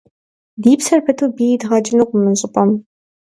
Ди псэр пыту бийр идгъэкӏынукъым мы щӏыпӏэм.